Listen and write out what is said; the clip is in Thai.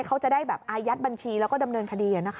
เขาจะได้แบบอายัดบัญชีแล้วก็ดำเนินคดี